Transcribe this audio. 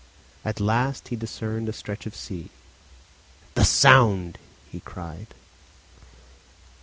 At last he discerned a stretch of sea. "The Sound!" he cried.